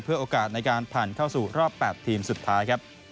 เพื่อโอกาสในการผ่านเข้าสู่รอบ๘ทีมสุดท้าย